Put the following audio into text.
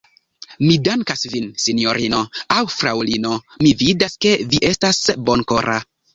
Mi dankas vin, sinjorino aŭ fraŭlino; mi vidas, ke vi estas bonkora.